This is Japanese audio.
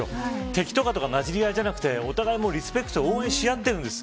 敵同士がなじり合いじゃなくてお互いリスペクトして応援し合ってるんです。